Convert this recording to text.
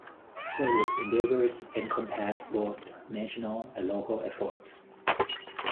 Service endeavors encompass both national and local efforts.